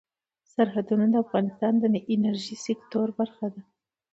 سرحدونه د افغانستان د انرژۍ سکتور برخه ده.